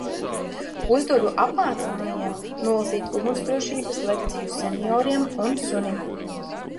Uzdodu apmācāmajam nolasīt ugunsdrošības lekciju senioriem un sunim.